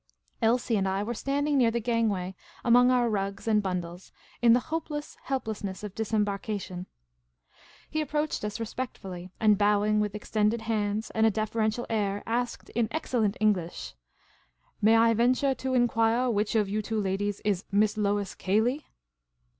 Elsie and I were standing near the gangway among our rugs and bun dles, in the hopeless helplessness of disembarkation. He approached us respectfull3% and, bowing with extended hands and a deferential air, asked, in excellent English, " May I venture to enquire which of you two ladies is Miss L,ois Cayley?"